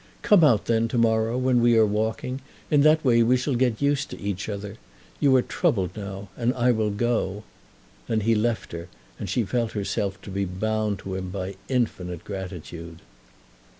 "Come out, then, to morrow, when we are walking. In that way we shall get used to each other. You are troubled now, and I will go." Then he left her, and she felt herself to be bound to him by infinite gratitude.